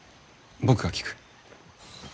僕が聞く。